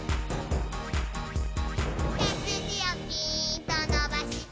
「せすじをピーンとのばして」